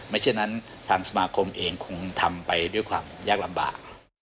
ฉะนั้นทางสมาคมเองคงทำไปด้วยความยากลำบาก